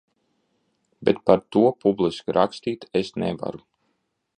Bet par to publiski rakstīt es nevaru.